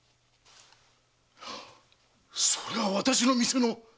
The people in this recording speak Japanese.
それは私の店の！